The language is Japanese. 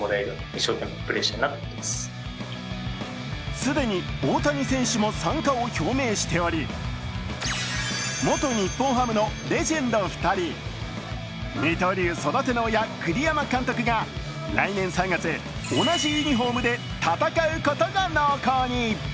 既に大谷選手も参加を表明しており元日本ハムのレジェンド２人、二刀流育ての親、栗山監督が来年３月、同じユニフォームで戦うことが濃厚に。